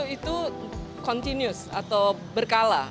itu kontinus atau berkala